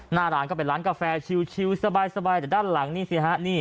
หน้าร้านก็เป็นร้านกาแฟชิวสบายแต่ด้านหลังนี่สิฮะนี่